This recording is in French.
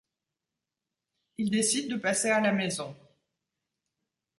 Il décide de passer à la maison.